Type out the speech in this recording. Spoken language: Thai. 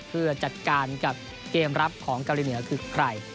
เพื่อจัดการกับเกมรับของเกาหลีเหนือคือใคร